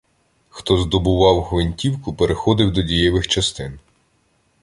Хто здобував гвинтівку, переходив до дієвих частин.